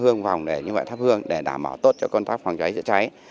gương vòng để như vậy thắp hương để đảm bảo tốt cho công tác phòng cháy chữa cháy